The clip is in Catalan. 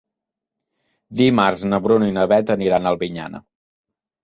Dimarts na Bruna i na Beth aniran a Albinyana.